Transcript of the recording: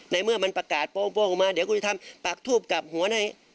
ในเมื่อมันประกาศโป้งออกมาเดี๋ยวคุณจะทำปากทูบกลับหัวให้